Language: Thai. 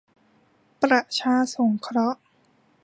ประชาสงเคราะห์